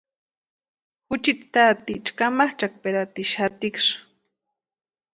Juchiti taaticha kamachʼaperaxatiksï.